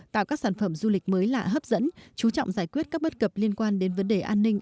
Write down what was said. tạo các sản phẩm du lịch mới lạ hấp dẫn chú trọng giải quyết các bất cập liên quan đến vấn đề an ninh